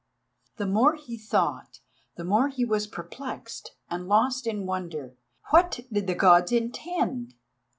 The more he thought, the more he was perplexed and lost in wonder. What did the Gods intend?